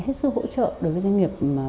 hết sức hỗ trợ đối với doanh nghiệp